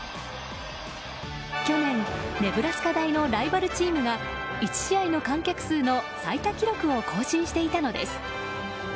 去年、ネブラスカ大のライバルチームが１試合の観客数の最多記録を更新していたのです。